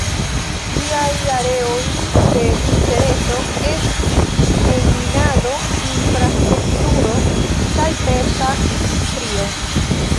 Liaj areoj de intereso estis en minado, infrastrukturo kaj peza industrio.